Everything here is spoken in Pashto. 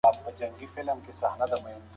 هغه وویل چې زه باید ژر کور ته لاړ شم.